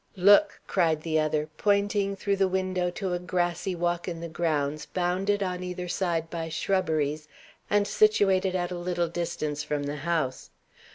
"Look!" cried the other, pointing through the window to a grassy walk in the grounds, bounded on either side by shrubberies, and situated at a little distance from the house.